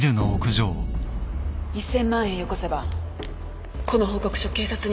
１，０００ 万円よこせばこの報告書警察には渡さないわ